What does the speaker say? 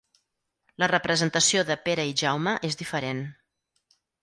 La representació de Pere i Jaume és diferent.